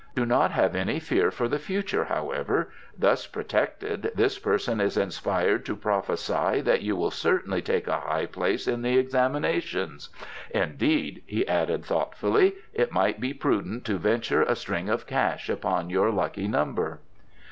Do not have any fear for the future, however: thus protected, this person is inspired to prophesy that you will certainly take a high place in the examinations. ... Indeed," he added thoughtfully, "it might be prudent to venture a string of cash upon your lucky number."